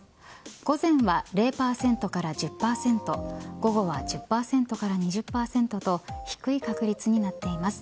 午前は０％から１０％午後は１０％から２０％と低い確率になっています。